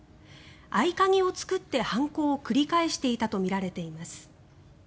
合鍵を作って犯行を繰り返していたとみられています。